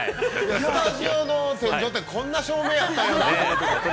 ◆スタジオの天井って、こんな照明あったんやなと。